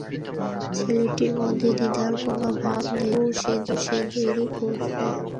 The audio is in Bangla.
ছেলেটির মধ্যে দ্বিধার কোনো ভাব নেই, তবু সে দেরি করছে।